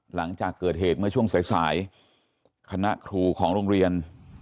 หลังจากเกิดเหตุเมื่อช่วงสายสายคณะครูของโรงเรียน